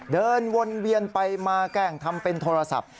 เดินวนเวียนไปมาแกล้งทำเป็นโทรศัพท์